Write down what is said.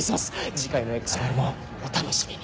次回の『Ｘファイル』もお楽しみに。